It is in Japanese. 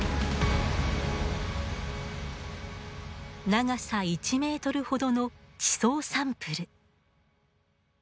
長さ１メートルほどの地層サンプル。